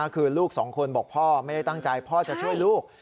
คือลูกสองคนบอกพ่อไม่ได้ตั้งใจพ่อจะช่วยลูก